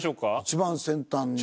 一番先端に。